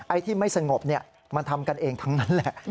ที่ไม่สงบมันทำกันเองทั้งนั้นแหละ